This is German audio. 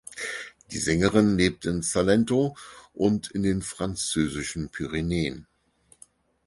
Die Sängerin lebt im Salento und in den französischen Pyrenäen.